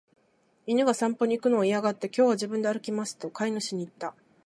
犬が散歩に行くのを嫌がって、「今日は自分で歩きます」と飼い主に言った。